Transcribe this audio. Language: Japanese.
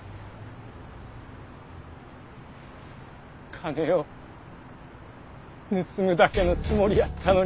金を盗むだけのつもりやったのに。